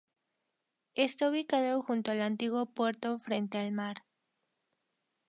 Está ubicado junto al antiguo puerto, frente al mar.